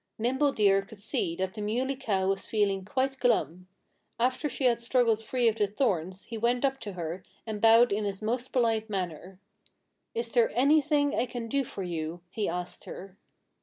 Nimble Deer could see that the Muley Cow was feeling quite glum. After she had struggled free of the thorns he went up to her and bowed in his most polite manner. "Is there anything I can do for you?" he asked her.